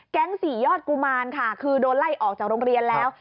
สี่ยอดกุมารค่ะคือโดนไล่ออกจากโรงเรียนแล้ว